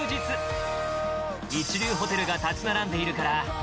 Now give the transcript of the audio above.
一流ホテルが立ち並んでいるから